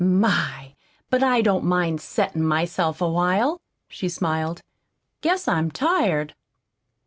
"My, but I don't mind settin' myself awhile," she smiled. "Guess I'm tired."